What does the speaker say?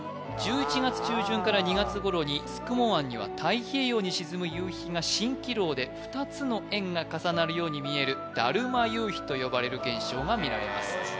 １１月中旬から２月頃に宿毛湾には太平洋に沈む夕日が蜃気楼で２つの円が重なるように見えるだるま夕日と呼ばれる現象が見られます